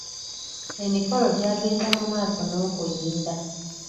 Emikolo gyagenda mu maaso n'okuyinda.